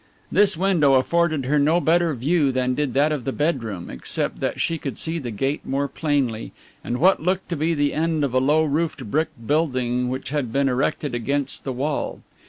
This window afforded her no better view than did that of the bedroom, except that she could see the gate more plainly and what looked to be the end of a low roofed brick building which had been erected against the wall.